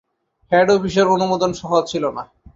Head অফিসের অনুমোদন সহজ ছিল না।